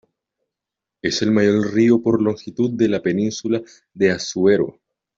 Es el mayor río por longitud de la península de Azuero.